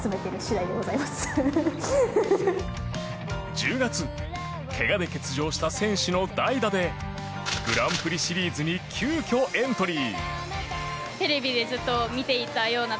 １０月怪我で欠場した選手の代打でグランプリシリーズに急きょエントリー。